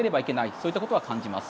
そういったことは感じます。